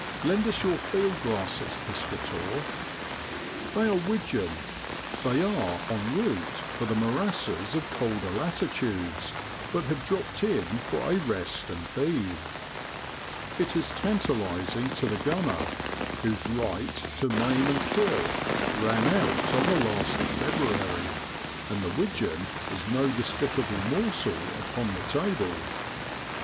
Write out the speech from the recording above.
Lend us your field glasses, Piscator. They are widgeon. They are en route for the moras ses of colder latitudes, but have dropped in for a rest and feed. It is tantalising to the gunner, whose right to maim and kill ran out on the last of February; and the widgeon is no despicable morsel upon the table.